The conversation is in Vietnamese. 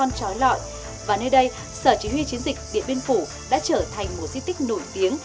và nơi đây sở chỉ huy chiến dịch điện biên phủ đã trở thành một di tích nổi tiếng